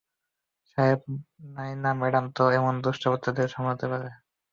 সাহেব, নায়না ম্যাডামই তো এমন দুষ্টু বাচ্চাদের সামলাতে পারে।